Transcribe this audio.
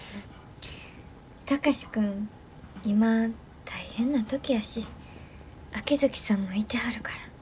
貴司君今大変な時やし秋月さんもいてはるから。